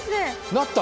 なった。